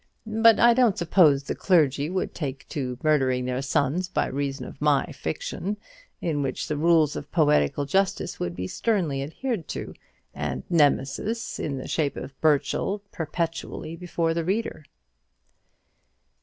But I don't suppose the clergy would take to murdering their sons by reason of my fiction, in which the rules of poetical justice would be sternly adhered to, and Nemesis, in the shape of Burchell, perpetually before the reader."